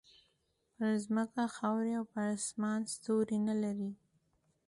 پر ځمکه ښوری او پر اسمان ستوری نه لري.